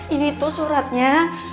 ini tuh suratnya